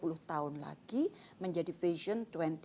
lalu dua puluh tahun lagi menjadi vision dua ribu empat puluh lima